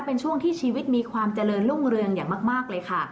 เป็นช่วงที่ชีวิตมีความเจริญรุ่งเรืองอย่างมากเลยค่ะ